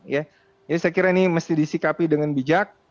jadi saya kira ini mesti disikapi dengan bijak